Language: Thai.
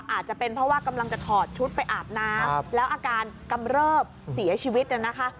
อาจจะเป็นเพราะว่ากำลังจะถอดชุดไปอาบน้ำแล้วอาการกำเริบเสียชีวิตเนี่ยนะคะ